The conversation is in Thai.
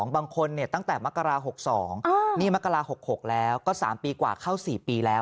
บางคนตั้งแต่มกรา๖๒นี่มกรา๖๖แล้วก็๓ปีกว่าเข้า๔ปีแล้ว